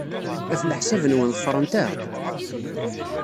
Ɣef leḥsab-nwen, ḍefrent-aɣ-d?